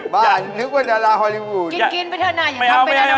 บ้าเดี๋ยวนึกว่าดาราโฮลีวูอล